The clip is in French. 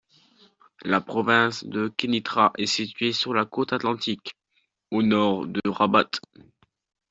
La province de Kénitra est située sur la côte atlantique, au nord de Rabat.